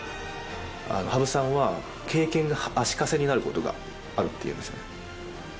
羽生さんは、経験が足かせになることがあるっていうんですね。